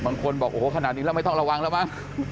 บางคนบอกโอ้โหขนาดนี้แล้วไม่ต้องระวังแล้วมั้ง